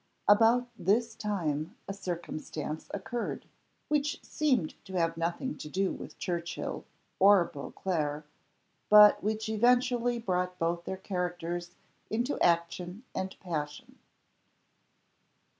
About this time a circumstance occurred, which seemed to have nothing to do with Churchill, or Beauclerc, but which eventually brought both their characters into action and passion.